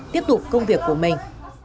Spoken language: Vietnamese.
tiếp tục công việc của mình